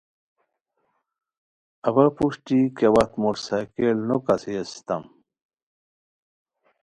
اوا پوشٹی کیہ وحت موٹر سائکل نو کاسے استام